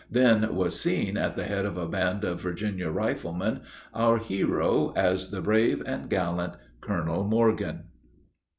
Then was seen, at the head of a band of Virginia riflemen our hero as the brave and gallant Colonel Morgan.